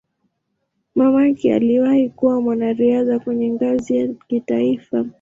Mamake aliwahi kuwa mwanariadha kwenye ngazi ya kitaifa.